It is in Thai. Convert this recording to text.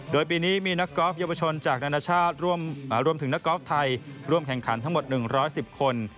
โดยปีนี้มีนักกอล์ฟเยาวชนจากนานาชาติรวมถึงนักกอล์ฟไทยร่วมแข่งขันทั้งหมด๑๑๐คน